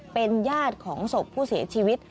เป็นญาติของศพผู้เสียชีวิต